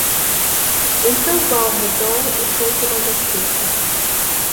Então vá ao redor e compre uma jaqueta